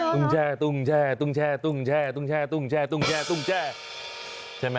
ตุ้งแช่ใช่ไหม